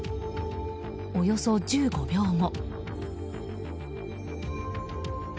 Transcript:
およそ１５秒後。